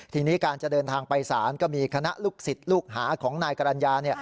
ทีนี้การจะเดินทางไปศาลก็มีคณะลูกศิษย์ลูกหาของนายกรรณญา